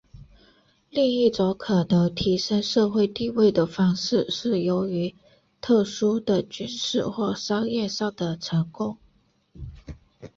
另一种可能提升社会地位的方式是由于特殊的军事或商业上的成功。